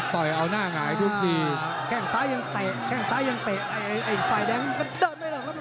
ต่อยเอาหน้าหงายทุกทีแข้งซ้ายยังเตะแข้งซ้ายยังเตะไอ้ฝ่ายแดงก็เดินไม่หรอกครับ